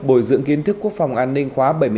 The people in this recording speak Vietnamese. bồi dưỡng kiến thức quốc phòng an ninh khóa bảy mươi năm